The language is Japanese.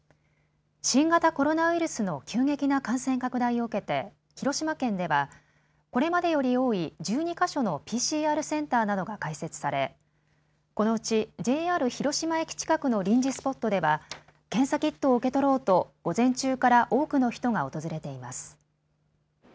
新型コロナウイルスの急激な感染拡大を受けて広島県ではこれまでより多い１２か所のＰＣＲセンターなどが開設されこのうちＪＲ広島駅近くの臨時スポットでは検査キットを受け取ろうと午前中から多くの人が訪れています。